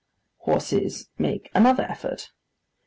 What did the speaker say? Horses make another effort.